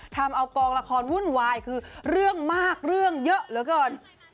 ทำเอากองละครวุ่นวายคือเรื่องมากเรื่องเยอะเหลือเกิน